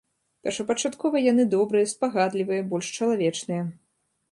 Першапачаткова яны добрыя, спагадлівыя, больш чалавечныя.